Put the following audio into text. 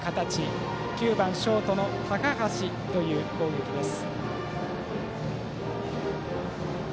バッターは９番ショートの高橋という攻撃です。